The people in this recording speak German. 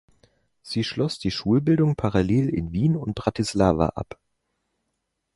Sie schloss die Schulbildung parallel in Wien und Bratislava ab.